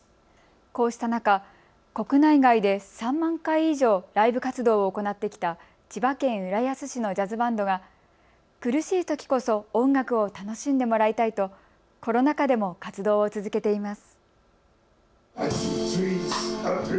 こうした中、国内外で３万回以上、ライブ活動を行ってきた千葉県浦安市のジャズバンドが苦しいときこそ音楽を楽しんでもらいたいとコロナ禍でも活動を続けています。